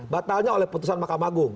batalnya oleh putusan mahkamah agung